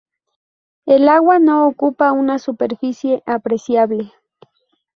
El agua no ocupa una superficie apreciable.